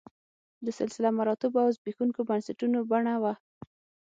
د سلسله مراتبو او زبېښونکو بنسټونو بڼه وه